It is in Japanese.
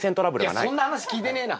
いやそんな話聞いてねえな。